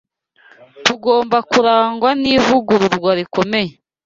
Tugomba kurangwa n’ivugururwa rikomeye